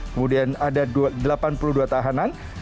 kemudian ada delapan puluh dua tahanan